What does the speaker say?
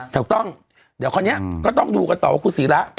ถูกต้องเดี๋ยวคราวนี้ก็ต้องดูกันต่อว่าคุณศิระ